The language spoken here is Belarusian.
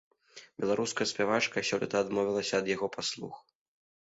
Беларуская спявачка сёлета адмовілася ад яго паслуг.